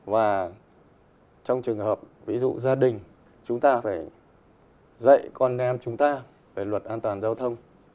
và trong trường hợp ví dụ gia đình chúng ta phải dạy con em chúng ta về luật an toàn giao thông